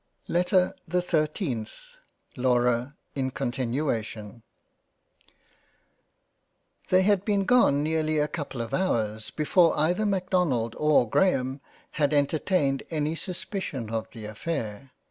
26 £ LOVE AND FREINDSHIP £ LETTER the 13th LAURA in continuation THEY had been gone nearly a couple of Hours, before either Macdonald or Graham had entertained any suspicion of the affair.